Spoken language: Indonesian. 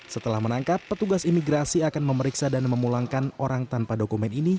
setelah menangkap petugas imigrasi akan memeriksa dan memulangkan orang tanpa dokumen ini